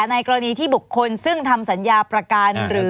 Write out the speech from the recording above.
ในกรณีที่บุคคลซึ่งทำสัญญาประกันหรือ